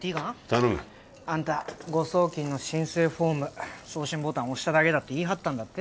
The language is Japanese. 頼むあんた誤送金の申請フォーム送信ボタン押しただけだって言い張ったんだって？